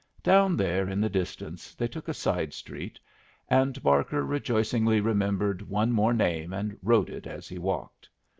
Down there in the distance they took a side street, and Barker rejoicingly remembered one more name and wrote it as he walked.